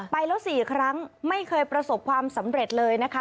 ไปแล้ว๔ครั้งไม่เคยประสบความสำเร็จเลยนะคะ